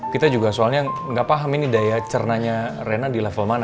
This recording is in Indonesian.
kita juga soalnya nggak paham ini daya cernanya rena di level mana